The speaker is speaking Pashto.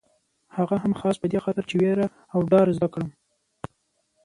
هغه هم خاص په دې خاطر چې وېره او ډار زده کړم.